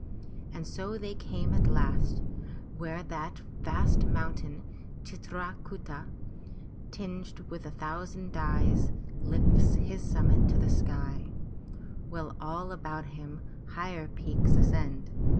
And so they came at last where that vast mountain Chit ra ku'ta, tinged with a thousand dyes, lifts his summit to the sky, while all about him higher peaks ascend.